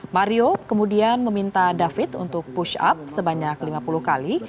mario kemudian meminta david untuk push up sebanyak lima puluh kali